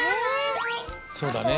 そうだね。